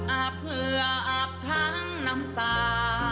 อาบเผื่ออาบทั้งน้ำตา